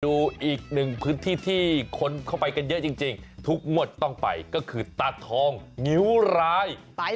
ดูอีกหนึ่งพื้นที่ที่คนเข้าไปกันเยอะจริงทุกงวดต้องไปก็คือตาทองงิ้วร้าย